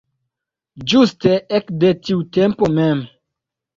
Ĝuste ekde tiu tempo mem.